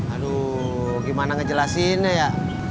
aduh gimana ngejelasinnya ya